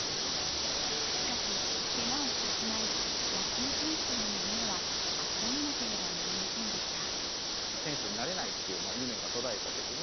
しかし、けがをしてしまい野球選手という夢は諦めなければなりませんでした。